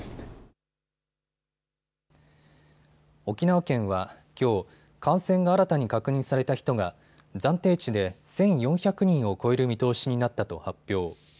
沖縄県は、きょう感染が新たに確認された人が暫定値で１４００人を超える見通しになったと発表。